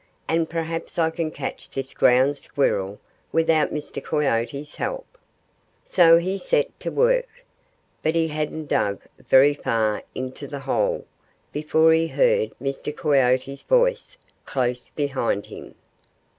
"And perhaps I can catch this Ground Squirrel without Mr. Coyote's help." So he set to work. But he hadn't dug very far into the hole before he heard Mr. Coyote's voice close behind him.